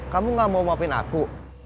kamu nggak mau maafin aku